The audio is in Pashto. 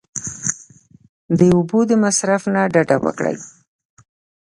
د اوبو د مصرف څخه ډډه وکړئ !